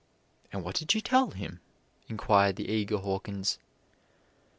"And what did you tell him?" inquired the eager Hawkins.